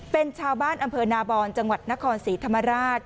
เป็นชาวบ้านอำเภอนาบอนจังหวัดนครศรีธรรมราช